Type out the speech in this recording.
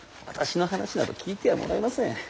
私の話など聞いてはもらえません。